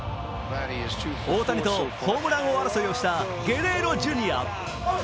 大谷とホームラン争いをしたゲレーロ・ジュニア。